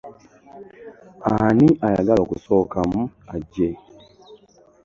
Ani ayagala okusookamu ajje?